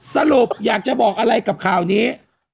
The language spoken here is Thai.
สรุปอยากจะบอกอะไรกับข่าวนี้